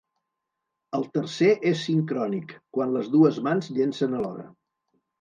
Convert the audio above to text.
El tercer és sincrònic, quan les dues mans llencen alhora.